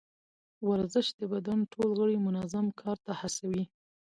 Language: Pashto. ورزش د بدن ټول غړي منظم کار ته هڅوي.